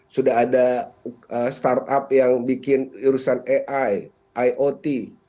sudah ada startup yang bikin urusan ai iot